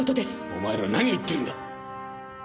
お前ら何を言ってるんだ！